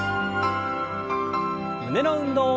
胸の運動。